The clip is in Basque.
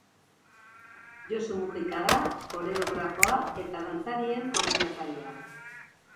Josu Mujika da koreografoa, eta dantzarien koordinatzailea.